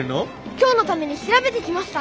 今日のために調べてきました。